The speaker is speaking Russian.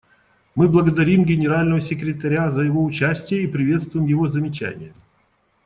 Мы благодарим Генерального секретаря за его участие и приветствуем его замечания.